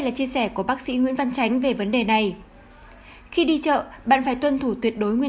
là chia sẻ của bác sĩ nguyễn văn tránh về vấn đề này khi đi chợ bạn phải tuân thủ tuyệt đối nguyên